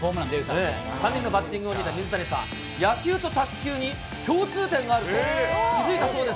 ３人のバッティングを見た水谷さん、野球と卓球に共通点があると気付いたそうです。